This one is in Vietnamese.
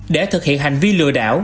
để thực hiện hành vi lừa đảo